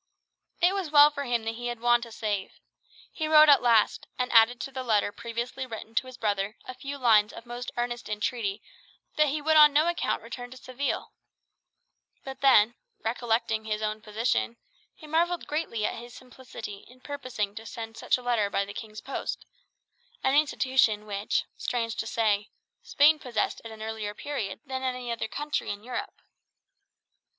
It was well for him that he had Juan to save. He rose at last; and added to the letter previously written to his brother a few lines of most earnest entreaty that he would on no account return to Seville. But then, recollecting his own position, he marvelled greatly at his simplicity in purposing to send such a letter by the King's post an institution which, strange to say, Spain possessed at an earlier period than any other country in Europe.